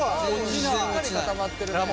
しっかり固まってるね。